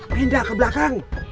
pindah ke belakang